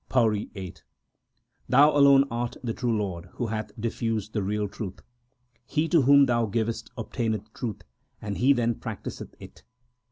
PAURI VIII Thou alone art the true Lord who hath diffused the real truth. He to whom Thou givest obtaineth truth, and he then practiseth it.